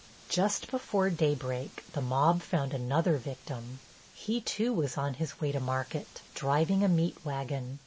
Just before daybreak the mob found another victim. He, too, was on his way to market, driving a meat wagon.